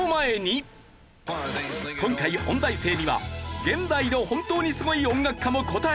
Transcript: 今回音大生には現代の本当にスゴい音楽家も答えてもらいました。